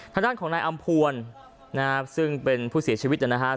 ทางด้านของนายอำพวนนะครับซึ่งเป็นผู้เสียชีวิตนะครับ